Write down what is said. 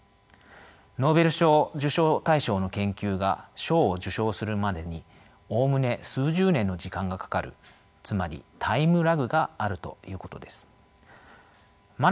ノーベル賞受賞対象の研究が賞を受賞するまでにおおむね数十年の時間がかかるつまりタイムラグがあるということです。